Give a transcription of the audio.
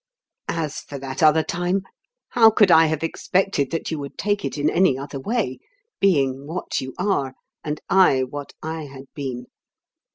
"As for that other time ... How could I have expected that you would take it in any other way, being what you are and I what I had been?